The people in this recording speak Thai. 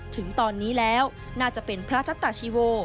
ถึงตอนนี้แล้วน่าจะเป็นพระทัตตาชีโว